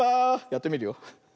やってみるよ。